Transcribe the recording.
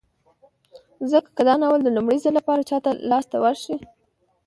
ځکه که دا ناول د لومړي ځل لپاره چاته لاس ته وشي